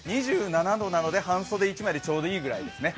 ２７度なので半袖一枚でちょうどいいくらいですね。